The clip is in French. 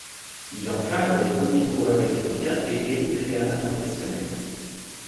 Il encadre les premiers coureurs éthiopiens et érythréens professionnels.